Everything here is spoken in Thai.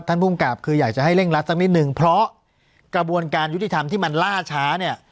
ภูมิกับคืออยากจะให้เร่งรัดสักนิดนึงเพราะกระบวนการยุติธรรมที่มันล่าช้าเนี่ย